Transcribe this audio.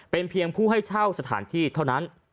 เป็นเพียงผู้ให้เช่าสถานที่เท่านั้น